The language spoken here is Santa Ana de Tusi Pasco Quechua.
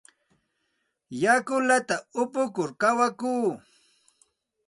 Yakullata upukur kawakuu.